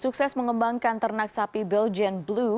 sukses mengembangkan ternak sapi belgian blue